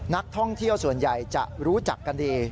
นักท่องเที่ยวส่วนใหญ่จะรู้จักกันดี